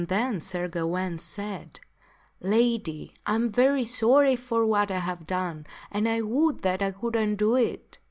Then Sir Gawaine said, " Lady, I am very sorry for what I have done, and I would that I could undo it."